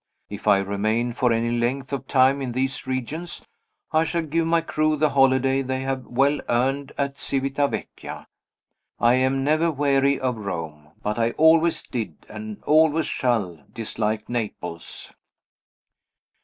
If I remain for any length of time in these regions, I shall give my crew the holiday they have well earned at Civita Vecchia. I am never weary of Rome but I always did, and always shall, dislike Naples.